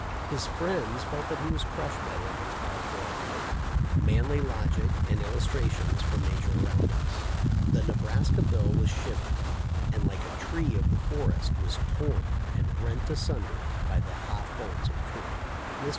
His friends felt that he was crushed by Lincoln's pow erful argument, manly logic, and illustrations from nature around us. The Nebraska bill was shivered, and like a tree of the forest was torn and rent asun der by the hot bolts of truth. Mr.